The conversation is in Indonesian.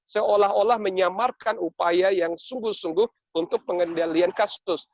seolah olah menyamarkan upaya yang sungguh sungguh untuk pengendalian kasus